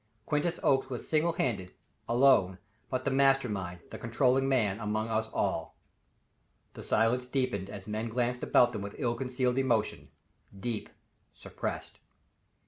Quintus Oakes was single handed, alone, but the master mind, the controlling man among us all. The silence deepened as men glanced about with ill concealed emotion deep, suppressed.